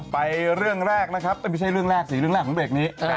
ไปเรื่องแรกนะครับไม่ใช่เรื่องแรกสิเรื่องแรกของเบรกนี้